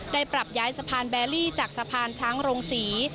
ปรับย้ายสะพานแบลลี่จากสะพานช้างโรงศรี